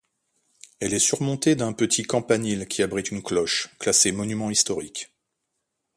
Elle est surmontée d'un petit campanile, qui abrite une cloche, classée monument historique.